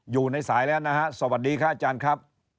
อยู่ในสายแล้วนะฮะสวัสดีค่ะอาจารย์ครับ